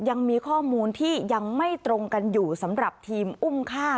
ยังมีข้อมูลที่ยังไม่ตรงกันอยู่สำหรับทีมอุ้มฆ่า